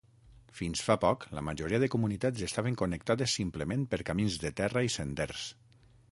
Fins fa poc, la majoria de comunitats estaven connectades simplement per camins de terra i senders.